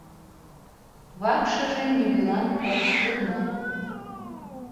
— Вакшыже нигӧлан ок кӱл мо?